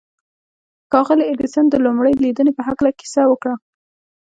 ښاغلي ايډېسن د لومړۍ ليدنې په هکله کيسه وکړه.